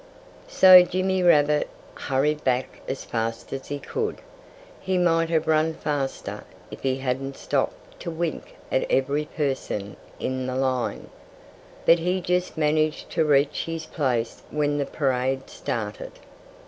So Jimmy Rabbit hurried back as fast as he could. He might have run faster, if he hadn't stopped to wink at every person in the line. But he just managed to reach his place when the parade started.